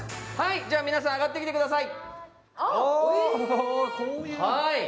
じゃ皆さん、上がってきてください。